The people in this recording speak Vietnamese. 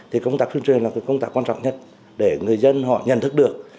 thì công tác tuyên truyền là công tác quan trọng nhất để người dân họ nhận thức được